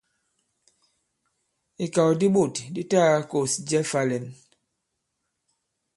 Ìkàw di bôt di ta-gā-kôs jɛ fā-lɛ̌n.